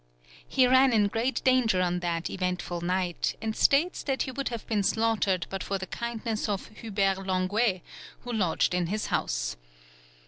He ran in great danger on that eventful night, and states that he would have been slaughtered but for the kindness of Hubert Languet, who lodged in his house.